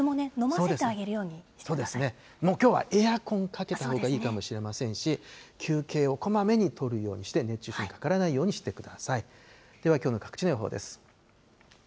そうですね、もうきょうはエアコンかけたほうがいいかもしれませんし、休憩をこまめにとるようにして、熱中症にかからないようにしてください。